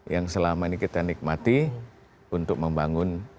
yang selama ini kita nikmati untuk membangun